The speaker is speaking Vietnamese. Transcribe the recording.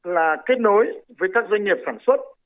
là kết nối với các doanh nghiệp sản xuất